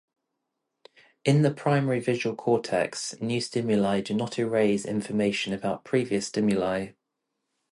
In the primary visual cortex new stimuli do not erase information about previous stimuli.